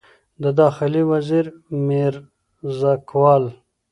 د داخلي وزیر میرزکوال